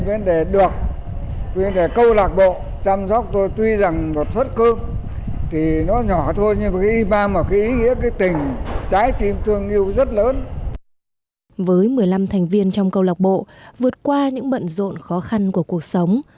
với một mươi năm thành viên trong câu lạc bộ vượt qua những bận rộn khó khăn của cuộc sống